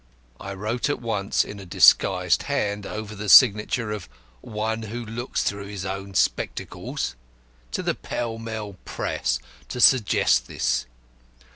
I wrote at once (in a disguised hand and over the signature of 'One who looks through his own spectacles') to the Pell Mell Press to suggest this.